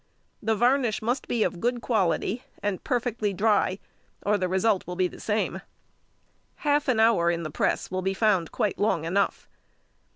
The varnish must be of good quality, and perfectly dry, or the result will be the same. Half an hour in the press will be found quite long enough.